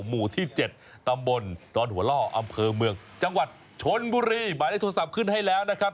หมู่ที่๗ตำบลดอนหัวล่ออำเภอเมืองจังหวัดชนบุรีหมายเลขโทรศัพท์ขึ้นให้แล้วนะครับ